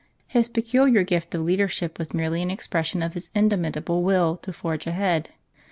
His peculiar gift of leadership was merely an expression of his indomitable will to forge ahead.